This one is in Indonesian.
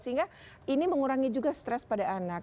sehingga ini mengurangi juga stres pada anak